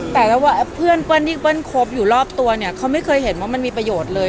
แต่แล้วว่าเพื่อนเปิ้ลที่เปิ้ลคบอยู่รอบตัวเนี่ยเขาไม่เคยเห็นว่ามันมีประโยชน์เลย